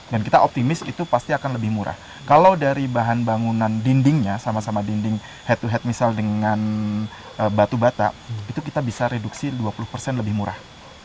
dan kita optimis itu pasti akan lebih murah kalau dari bahan bangunan dindingnya sama sama dinding head to head misal dengan batu bata itu kita bisa reduksi dua puluh lebih murah